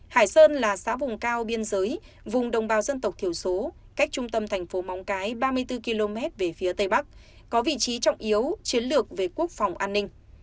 hải sơn là xã vùng cao biên giới vùng đồng bào dân tộc thiểu số cách trung tâm thành phố móng cái ba mươi bốn km về phía tây bắc có vị trí trọng yếu chiến lược về quốc phòng an ninh